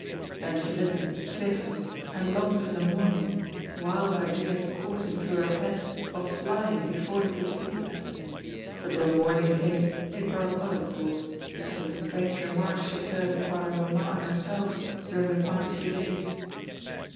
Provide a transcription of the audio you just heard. Then she listened fearfully and longed for the morning, wild ideas coursing through her head of flying before he could seize her; but when morning came it brought other thoughts, as of the strange remarks she had heard about her mamma and herself during the past few days.